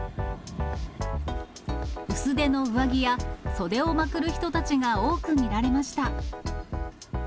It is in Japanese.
薄手の上着や袖をまくる人たちが多く見られました。